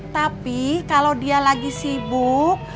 tapi kalau dia lagi sibuk